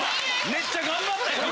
めっちゃ頑張ったやん！